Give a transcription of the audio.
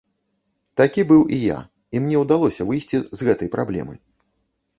Такі быў і я, і мне ўдалося выйсці з гэтай праблемы.